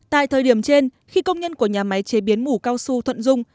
tại thời điểm trên khi công nhân của nhà máy chế biến mủ cao su thuận dung